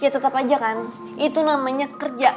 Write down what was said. ya tetep aja kan itu namanya kerja